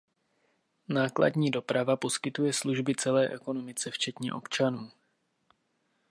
Nákladní doprava poskytuje služby celé ekonomice, včetně občanů.